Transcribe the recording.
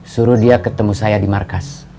suruh dia ketemu saya di markas